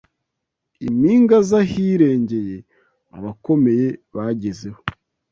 Impinga z’ahirengeye abakomeye bagezeho